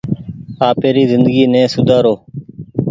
آپيري زندگي ني سوُدآرو ۔